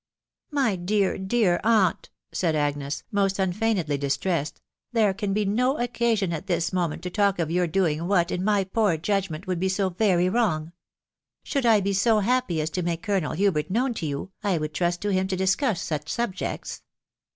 " My dear, dear aunt !" said Agnes, most uu&ignedly dis* 1 tressed, " there can he no occasion at this moment to talk of your doing what, in my poor judgment, would he so very wrong Should I be so happy as to make Colonel Hubert known to you, I would trust to him to discuss such subjects.